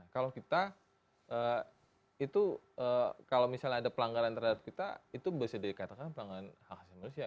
kalau kita itu kalau misalnya ada pelanggaran terhadap kita itu bisa dikatakan pelanggaran hak asasi manusia